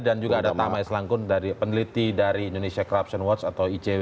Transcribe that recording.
dan juga ada tamai selangkun peneliti dari indonesia corruption watch atau icw